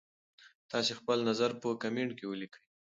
تاسي خپل نظر په کمنټ کي ولیکئ.